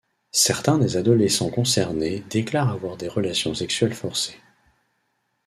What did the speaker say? Certains des adolescents concernés déclarent avoir des relations sexuelles forcées.